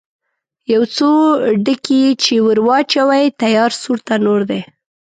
یو څو ډکي چې ور واچوې، تیار سور تنور دی.